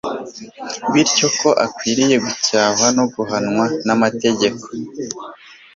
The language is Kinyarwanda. Bityo ko akwiriye gucyahwa no guhanwa namategeko